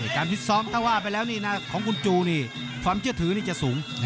พิษซ้อมถ้าว่าไปแล้วนี่นะของคุณจูนี่ความเชื่อถือนี่จะสูง